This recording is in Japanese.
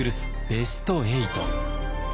ベスト８。